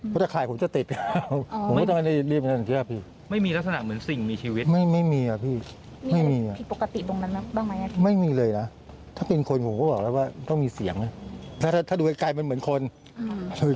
แปลว่าพี่พายเข้าไปหาวัตถุดำอันนั้นด้วย